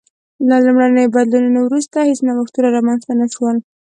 له لومړنیو بدلونونو وروسته هېڅ نوښتونه رامنځته نه شول